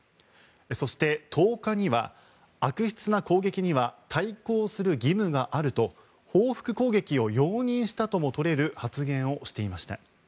そして１０日には悪質な攻撃には対抗する義務があると報復攻撃を容認したともとれる発言をしていました。